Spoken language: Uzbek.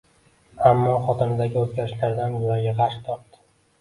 Ammo xotinidagi o`zgarishlardan yuragi g`ash tortdi